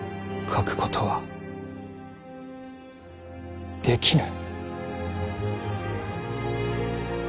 書くことはできぬ。